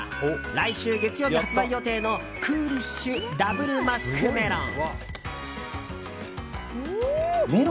来週月曜日発売予定のクーリッシュＷマスクメロン。